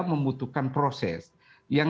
membutuhkan proses yang